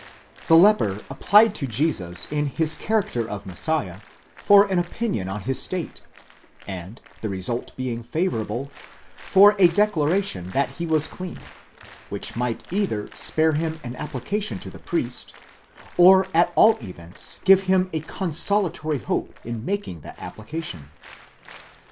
The leper applied to Jesus in his character of Messiah for an opinion on his state, and, the result being favourable, for a declaration that he was clean (εἰ θέλεις, usa με καθαρίσαι), which might either spare him an application to the priest, or at all events give him a consolatory hope in making that application.